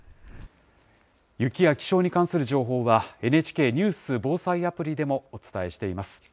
雪や気象に関する情報は、ＮＨＫニュース・防災アプリでもお伝えしています。